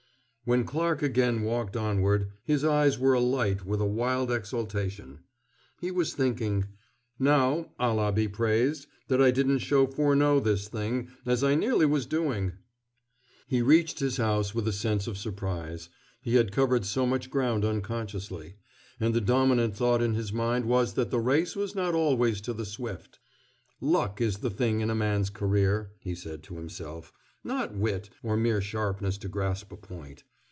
When Clarke again walked onward his eyes were alight with a wild exultation. He was thinking: "Now, Allah be praised, that I didn't show Furneaux this thing, as I nearly was doing!" He reached his house with a sense of surprise he had covered so much ground unconsciously, and the dominant thought in his mind was that the race was not always to the swift. "Luck is the thing in a man's career," he said to himself, "not wit, or mere sharpness to grasp a point.